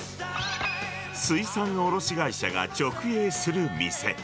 水産卸会社が直営する店。